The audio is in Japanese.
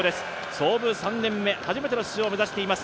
創部３年目、初めての出場を目指しています。